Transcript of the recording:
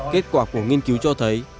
kết quả của nghiên cứu cho thấy